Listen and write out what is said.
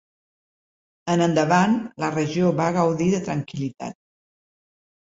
En endavant la regió va gaudir de tranquil·litat.